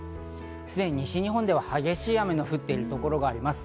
すでに西日本では激しい雨の降っているところがあります。